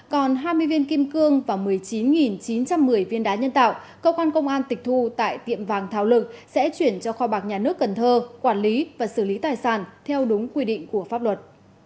còn hai mươi viên kim cương và một mươi chín chín trăm một mươi viên đá nhân tạo cơ quan công an tịch thu tại tiệm vàng thảo lực sẽ chuyển cho kho bạc nhà nước cần thơ quản lý và xử lý tài sản theo đúng quy định của pháp luật